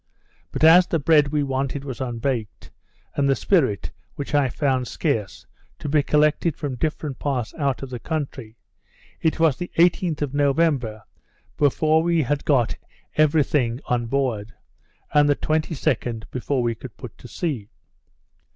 But, as the bread we wanted was unbaked, and the spirit, which I found scarce, to be collected from different parts out of the country, it was the 18th of November before we had got every thing on board, and the 22d before we could put to sea.